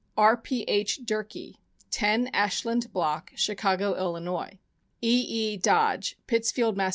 R. P. H. Durkee, 10 Ashland Block, Chicago, 111.; E. E. Dodge, Pittsfield, Mass.